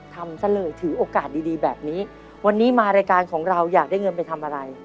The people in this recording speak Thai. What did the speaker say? ทำซะเลยถือโอกาสดีดีแบบนี้วันนี้มารายการของเราอยากได้เงินไปทำอะไร